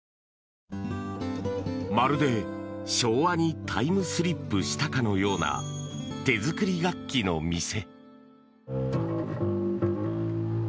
まるで、昭和にタイムスリップしたかのような手作り楽器の店。